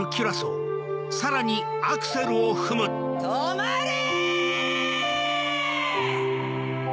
止まれ‼